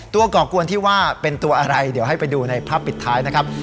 ก่อกวนที่ว่าเป็นตัวอะไรเดี๋ยวให้ไปดูในภาพปิดท้ายนะครับ